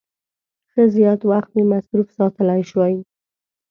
ښه زیات وخت مې مصروف ساتلای شي.